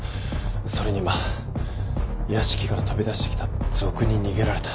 それに今屋敷から飛び出してきた賊に逃げられた。